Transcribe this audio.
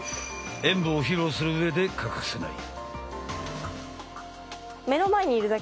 演武を披露する上で欠かせない。